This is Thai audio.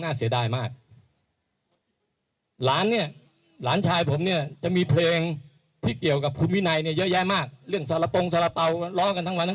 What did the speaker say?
นอกจากความขัดแย้งดังกล่าวแล้ว